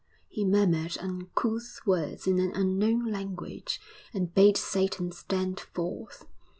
He murmured uncouth words in an unknown language, and bade Satan stand forth....